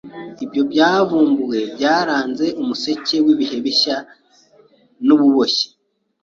Ibi byavumbuwe byaranze umuseke wibihe bishya mububoshyi.